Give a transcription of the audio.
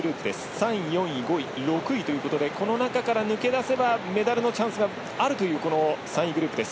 ３位、４位、５位というこの中から抜け出せばメダルのチャンスがあるという３位グループです。